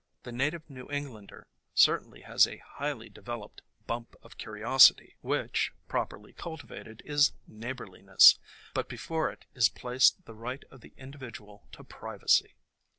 The native New Englander certainly has a highly developed bump of curiosity, which properly cultivated is neighborliness, but before it is placed the right of the individual to privacy.